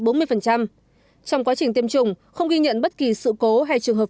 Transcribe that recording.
trong quá trình tiêm chủng không ghi nhận bất kỳ sự cố hay trường hợp